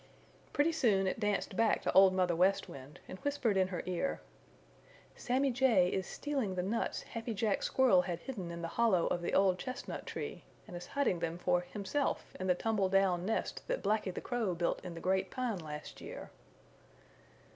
Pretty soon it danced back to Old Mother West Wind and whispered in her ear: "Sammy Jay is stealing the nuts Happy Jack Squirrel had hidden in the hollow of the old chestnut tree, and is hiding them for himself in the tumble down nest that Blacky the Crow built in the Great Pine last year."